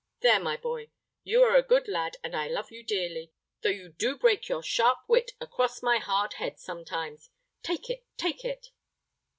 There, my boy; you are a good lad, and I love you dearly, though you do break your sharp wit across my hard head sometimes take it, take it!"